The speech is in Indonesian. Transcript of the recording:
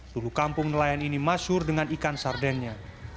suhu kampung nelayan ini masyur dengan ikan sardennya